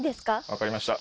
分かりました。